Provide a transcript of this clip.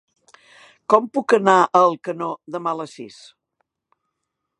Com puc anar a Alcanó demà a les sis?